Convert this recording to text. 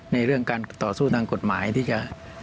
ในเรื่องการต่อสู้ทางกฎหมายที่จะ